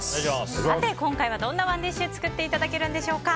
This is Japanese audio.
今回はどんなＯｎｅＤｉｓｈ作っていただけるんでしょうか。